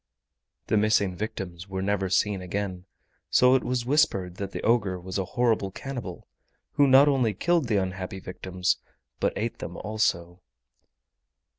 The missing victims were never seen again, so it was whispered that the ogre was a horrible cannibal, who not only killed the unhappy victims but ate them also.